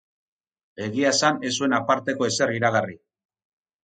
Egia esan ez zuen aparteko ezer iragarri.